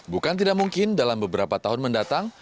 bukan tidak mungkin dalam beberapa tahun mendatang